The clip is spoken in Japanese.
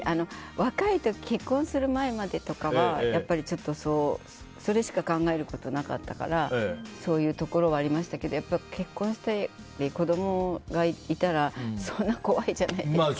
若い時、結婚する前までとかはそれしか考えることがなかったからそういうところはありましたけど結婚して、子供がいたらそんな怖いじゃないですか。